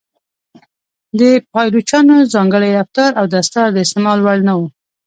د پایلوچانو ځانګړی رفتار او دستار د استعمال وړ نه و.